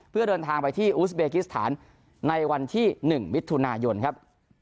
เพื่อเดินทางไปที่อูสเบกิสถานในวันที่๑มิถุนายนครับ